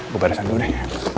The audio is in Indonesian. gue barisan dulu deh